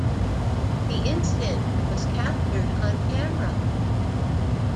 The incident was captured on camera.